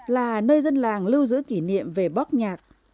là nơi dân làng lưu giữ kỷ niệm về bóp nhạc